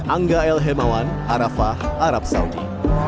angga el hemawan arafah arab saudi